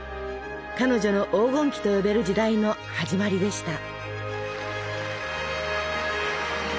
彼女の黄金期と呼べる時代の始まりでした。